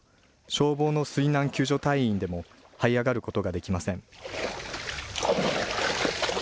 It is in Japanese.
消防の水難救助隊員でもはい上がることができません。